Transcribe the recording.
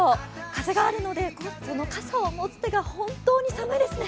風があるので、この傘を持つ手が本当に寒いですね。